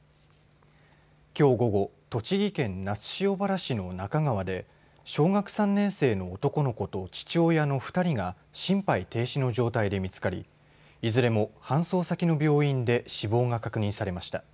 きょう午後栃木県那須塩原市の那珂川で小学３年生の男の子と父親の２人が心肺停止の状態で見つかりいずれも搬送先の病院で死亡が確認されました。